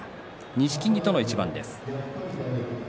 錦木との一番です。